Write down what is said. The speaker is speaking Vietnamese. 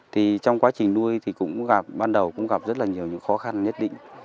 thì trong quá trình nuôi thì cũng gặp ban đầu cũng gặp rất là nhiều những khó khăn nhất định